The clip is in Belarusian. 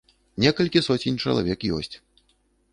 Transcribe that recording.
Некалькі соцень чалавек ёсць.